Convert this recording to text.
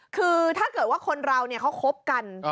คือถ้าเกิดว่าคนเราเขาคบกัน